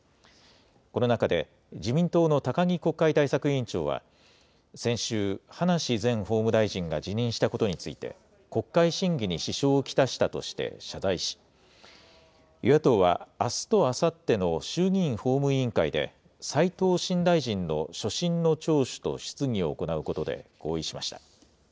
この中で、自民党の高木国会対策委員長は、先週、葉梨前法務大臣が辞任したことについて、国会審議に支障を来したとして謝罪し、与野党は、あすとあさっての衆議院法務委員会で、齋藤新大臣の所信の聴取と質疑を行うことで合意しました。